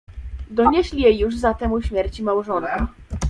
"Donieśli jej już zatem o śmierci małżonka."